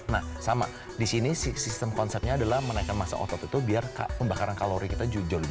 nah sama di sini sistem konsepnya adalah menaikkan masa otot itu biar pembakaran kalori kita jujur